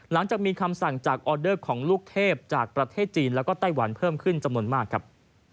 หลังจากมีคำสั่งจากออเดอร์ของลูกเทพจากประเทศจีนแล้วก็ไต้หวันเพิ่มขึ้นจำนวนมากครับ